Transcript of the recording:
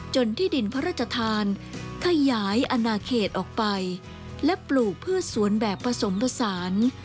ที่ดินพระราชทานขยายอนาเขตออกไปและปลูกพืชสวนแบบผสมผสาน